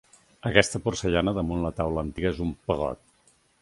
Aquesta porcellana damunt la taula antiga és un pegot.